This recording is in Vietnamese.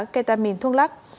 ketamin thuốc lắc